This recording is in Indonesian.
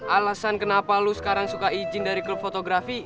alasan kenapa lu sekarang suka izin dari klub fotografi